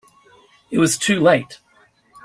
It was too late.